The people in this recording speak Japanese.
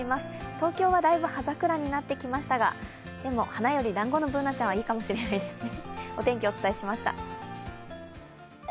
東京はだいぶ葉桜になってきましたが、でも、花よりだんごのＢｏｏｎａちゃんはいいかもしれないですね。